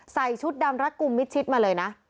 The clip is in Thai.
ชุดดำรัดกลุ่มมิดชิดมาเลยนะ